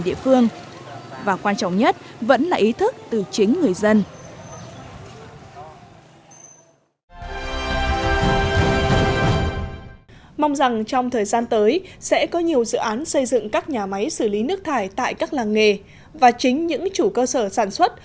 dự án xây dựng các nhà máy xử lý nước thải tại các làng nghề và chính những chủ cơ sở sản xuất